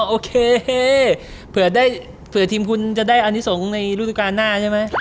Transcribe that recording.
โอเคเผื่อทีมคุณจะได้อนิสงฆ์ในรูปการณ์หน้าใช่ไหม